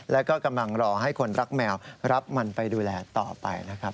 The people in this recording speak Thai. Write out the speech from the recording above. แล้วก็กำลังรอให้คนรักแมวรับมันไปดูแลต่อไปนะครับ